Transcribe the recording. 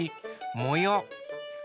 もよう。